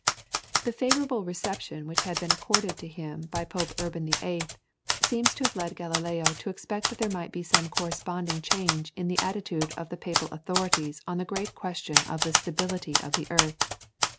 The favourable reception which had been accorded to him by Pope Urban VIII. seems to have led Galileo to expect that there might be some corresponding change in the attitude of the Papal authorities on the great question of the stability of the earth.